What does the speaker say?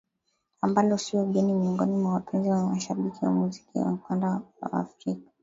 ambalo siyo geni miongoni mwa wapenzi na washabiki wa muziki wa ukanda wa Afrika